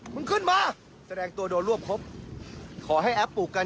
มึงขึ้นมาแสดงตัวโดนรวบครบขอให้แอปปลูกกัน